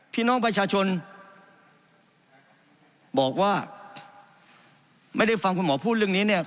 พี่น้องประชาชนบอกว่าไม่ได้ฟังคุณหมอพูดเรื่องนี้เนี่ย